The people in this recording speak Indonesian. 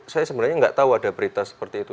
saya sebenarnya nggak tahu ada berita seperti itu